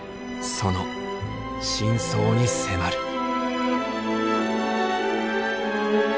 その真相に迫る。